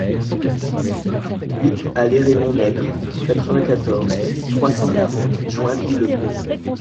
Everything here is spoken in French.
huit allée Raymond Nègre, quatre-vingt-quatorze, trois cent quarante, Joinville-le-Pont